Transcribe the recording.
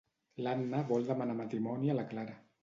L'Anna vol demanar matrimoni a la Clara.